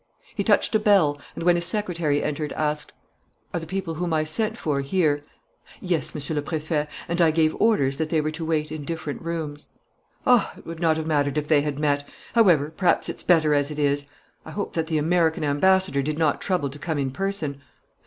He touched a bell, and when his secretary entered, asked: "Are the people whom I sent for here?" "Yes, Monsieur le Préfet, and I gave orders that they were to wait in different rooms." "Oh, it would not have mattered if they had met! However, perhaps it's better as it is. I hope that the American Ambassador did not trouble to come in person?"